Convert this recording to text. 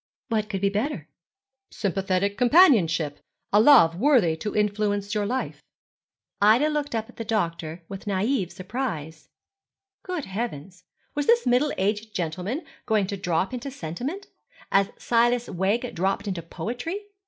'What could be better?' 'Sympathetic companionship a love worthy to influence your life.' Ida looked up at the doctor with naïve surprise. Good heavens, was this middle aged gentleman going to drop into sentiment, as Silas Wegg dropped into poetry?